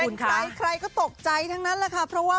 เป็นใครใครก็ตกใจทั้งนั้นเลยค่ะ